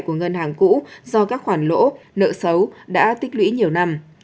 của ngân hàng cũ do các khoản lỗ nợ xấu đã tích lũy nhiều năm